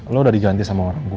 lu udah diganti sama orang gua